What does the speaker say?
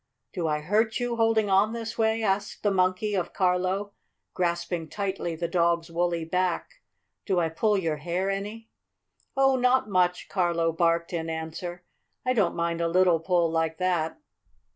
"Do I hurt you, holding on this way?" asked the Monkey of Carlo, grasping tightly the dog's woolly back. "Do I pull your hair any?" "Oh, not much," Carlo barked in answer. "I don't mind a little pull like that."